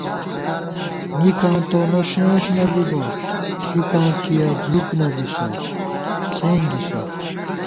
مِکاں تونہ ݭېن نہ بِبہ ݪِکاں کِیَہ بۡلُوک نہ بِبَہ ݪېنگِسہ